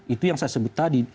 itu yang saya sebut tadi